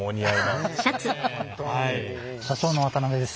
社長の渡辺です。